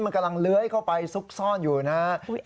มันกำลังเลื้อยเข้าไปซุกซ่อนอยู่นะครับ